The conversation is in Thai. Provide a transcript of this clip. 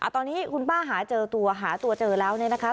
ตอนนี้คุณป้าหาเจอตัวหาตัวเจอแล้วเนี่ยนะคะ